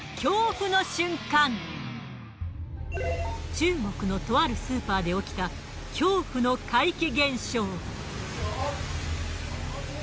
中国のとあるスーパーで起きた恐怖の怪奇現象。